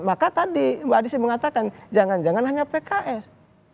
maka tadi mbak adisi mengatakan jangan jangan hanya pks